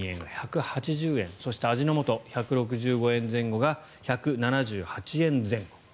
そして味の素１６５円前後が１７８円前後。